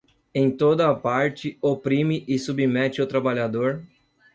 em toda a parte, oprime e submete o trabalhador